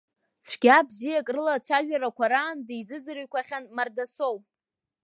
Цәгьак-бзиак рылацәажәарақәа раан дизыӡырҩқәахьан Мардасоу.